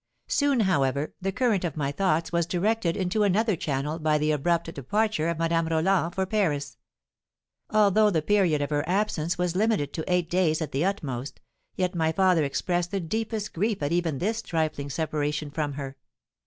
Soon, however, the current of my thoughts was directed into another channel by the abrupt departure of Madame Roland for Paris. Although the period of her absence was limited to eight days at the utmost, yet my father expressed the deepest grief at even this trifling separation from her.